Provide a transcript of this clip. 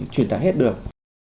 truyền tải hết được